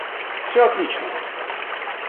Всё отлично